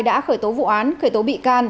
đã khởi tố vụ án khởi tố bị can